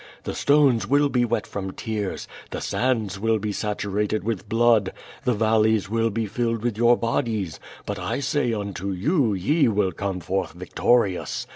The stones will be wet from tears, the sands will be saturated with blood, the valleys will be filled with your bodies; but I say unto you ye will come forth victorious.